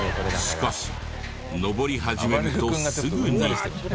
しかし登り始めるとすぐに。